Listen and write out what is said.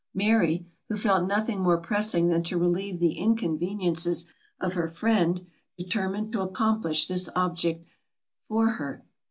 Mary, who felt nothing more pressing than to relieve the inconveniences of her friend, determined to accomplish this object for her.